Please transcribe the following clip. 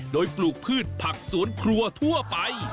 โดยปลูกพืชผักสวนครัวทั่วไป